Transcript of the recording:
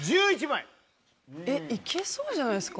えっいけそうじゃないですか。